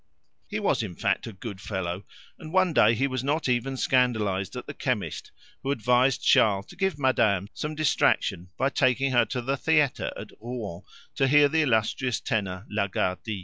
He was, in fact, a good fellow and one day he was not even scandalised at the chemist, who advised Charles to give madame some distraction by taking her to the theatre at Rouen to hear the illustrious tenor, Lagardy.